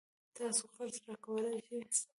تاسو قرض راکولای شئ؟